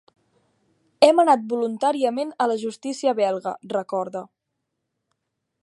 Hem anat voluntàriament a la justícia belga, recorda.